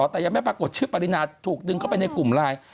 แต่ยังไม่ปรากฏชื่อปรินาถูกดึงเข้าไปในกลุ่มไลน์